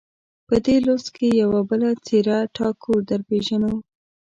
په دې لوست کې یوه بله څېره ټاګور درپېژنو.